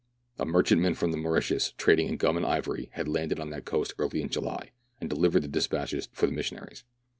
A merchantman from the Mauritius, trading in gum and ivory, had landed on that coast early in July, and delivered the despatches for the missionaries.